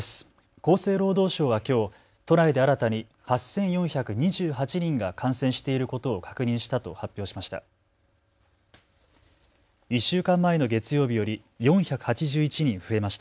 厚生労働省はきょう都内で新たに８４２８人が感染していることを確認したと発表しました。